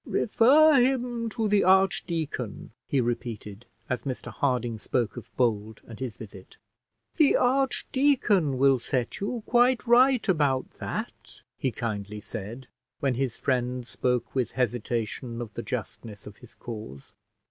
"Refer him to the archdeacon," he repeated, as Mr Harding spoke of Bold and his visit. "The archdeacon will set you quite right about that," he kindly said, when his friend spoke with hesitation of the justness of his cause.